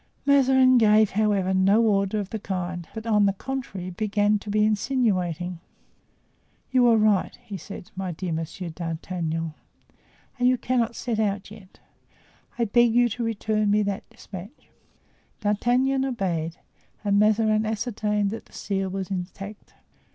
Mazarin gave, however, no order of the kind, but on the contrary began to be insinuating. "You were right," he said, "my dear Monsieur d'Artagnan, and you cannot set out yet. I beg you to return me that dispatch." D'Artagnan obeyed, and Mazarin ascertained that the seal was intact.